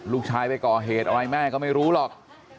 ลูกชายไปก่อเหตุอะไรแม่ก็ไม่รู้หรอก